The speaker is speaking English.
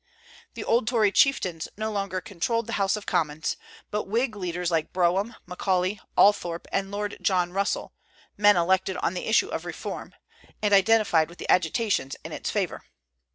The old Tory chieftains no longer controlled the House of Commons, but Whig leaders like Brougham, Macaulay, Althorp, and Lord John Russell, men elected on the issue of reform, and identified with the agitations in its favor.